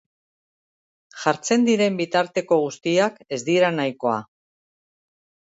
Jartzen diren bitarteko guztiak ez dira nahikoa.